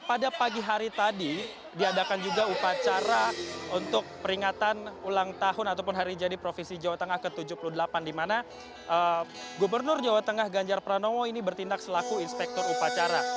pada pagi hari tadi diadakan juga upacara untuk peringatan ulang tahun ataupun hari jadi provinsi jawa tengah ke tujuh puluh delapan di mana gubernur jawa tengah ganjar pranowo ini bertindak selaku inspektur upacara